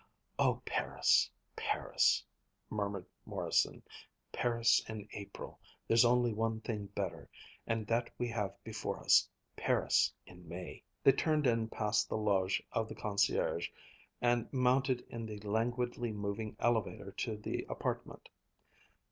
"Oh, Paris! Paris!" murmured Morrison. "Paris in April! There's only one thing better, and that we have before us Paris in May!" They turned in past the loge of the concierge, and mounted in the languidly moving elevator to the appartement.